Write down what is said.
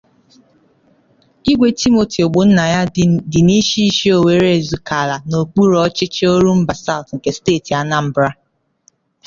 Igwe Timothy Ogbonnaya dị n'Ishishi Owerre-Ezukala n'okpuru ọchịchị 'Orumba South' nke steeti Anambra